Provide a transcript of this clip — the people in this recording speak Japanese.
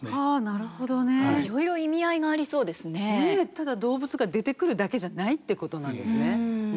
ただ動物が出てくるだけじゃないってことなんですね。